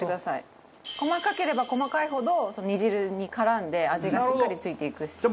細かければ細かいほど煮汁に絡んで味がしっかり付いていくので。